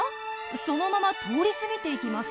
そのまま通り過ぎていきます。